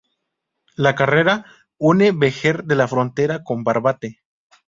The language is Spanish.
La carretera une Vejer de la Frontera con Barbate.